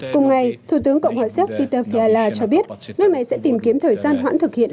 cùng ngày thủ tướng cộng hội xếp peter fiala cho biết nước này sẽ tìm kiếm thời gian hoãn thực hiện